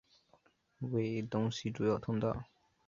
为东西主要通道。